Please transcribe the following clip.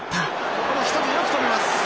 ここも１人でよく止めます。